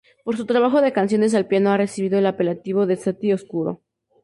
Por su trabajo de canciones al piano ha recibido el apelativo de Satie oscuro.